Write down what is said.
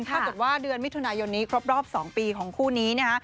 ถ้าเกิดว่าเดือนมิถุนายนนี้ครบรอบ๒ปีของคู่นี้นะฮะ